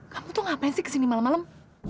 kamu tuh ngapain sih kesini malam malam